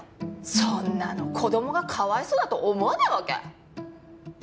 そんなの子供がかわいそうだと思わないわけ？